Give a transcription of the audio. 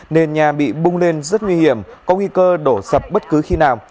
nền nhà bị bung lên rất nguy hiểm có nguy cơ đổ sập bất cứ khi nào